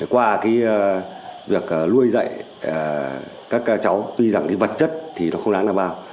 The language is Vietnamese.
qua việc nuôi dạy các cháu tuy rằng vật chất thì nó không đáng nào bao